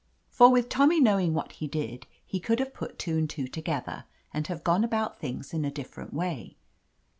For with Tommy knowing what he did, he could have put two and two together and have gone about things in a different way.